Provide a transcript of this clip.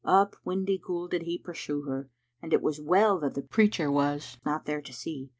Up Windyghoul did he pursue her, and it was well that the precentor was not there to see.